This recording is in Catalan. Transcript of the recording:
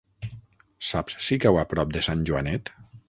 Saps si cau a prop de Sant Joanet?